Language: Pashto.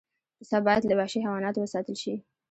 پسه باید له وحشي حیواناتو وساتل شي.